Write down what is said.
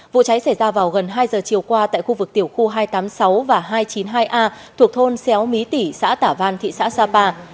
vụ cháy xảy ra vào gần hai giờ chiều qua tại khu vực tiểu khu hai trăm tám mươi sáu và hai trăm chín mươi hai a thuộc thôn xéo mý tỉ xã tả văn thị xã sapa